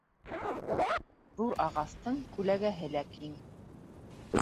Ҙур ағастың күләгәһе лә киң.